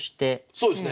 そうですね。